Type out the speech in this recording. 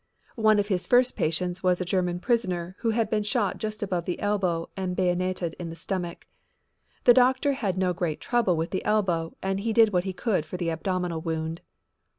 One of his first patients was a German prisoner who had been shot just above the elbow and bayoneted in the stomach. The doctor had no great trouble with the elbow and he did what he could for the abdominal wound.